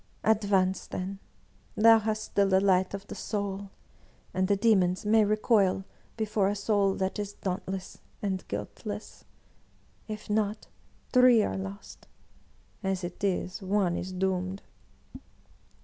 "Advance, then; thou hast still the light of the soul, and the demons may recoil before a soul that is dauntless and guiltless. If not. Three are lost! — ^as it is. One is doomed.'